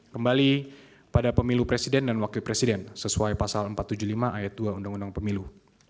kembali pada pemilu presiden dan wakil presiden sesuai pasal empat ratus tujuh puluh lima ayat dua undang undang pemilu